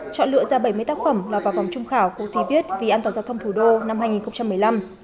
chọn lựa ra bảy mươi tác phẩm lọt vào vòng trung khảo cuộc thi viết vì an toàn giao thông thủ đô năm hai nghìn một mươi năm